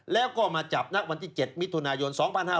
แล้วก็มาจับณวันที่๗มิถุนายน๒๕๕๙